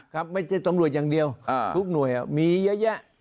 ครับไม่ใช่ตำรวจอย่างเดียวทุกหน่วยมีเยอะแยะ